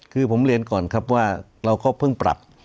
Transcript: คือผมเรียนก่อนครับว่าเราก็เพิ่งปรับ